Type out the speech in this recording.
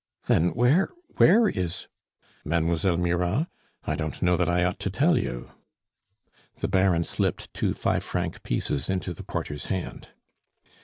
"Then, where where is ?" "Mademoiselle Mirah? I don't know that I ought to tell you." The Baron slipped two five franc pieces into the porter's hand.